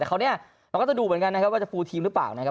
แต่คราวนี้เราก็จะดูเหมือนกันนะครับว่าจะฟูลทีมหรือเปล่านะครับ